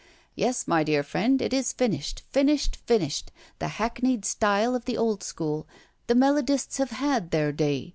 "Yes, my dear friend, it is finished, finished, finished, the hackneyed style of the old school. The melodists have had their day.